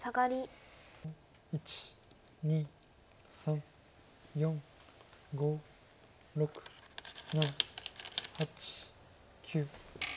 １２３４５６７８９。